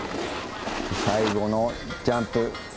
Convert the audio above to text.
最後のジャンプ。